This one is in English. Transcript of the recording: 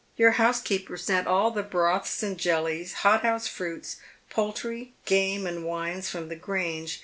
Your housekeeper sent all the broths and jellies, hothouse fruits, poultry, game, and wines from the Grange.